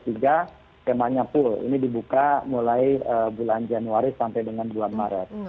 skemanya full ini dibuka mulai bulan januari sampai dengan bulan maret